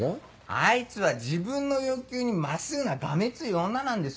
あいつは自分の欲求に真っすぐながめつい女なんです。